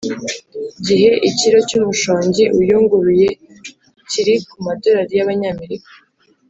gihe ikilo cy umushongi uyunguruye kiri ku madolari y Abanyamerika